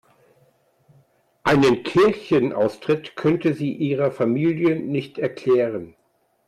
Einen Kirchenaustritt könnte sie ihrer Familie nicht erklären.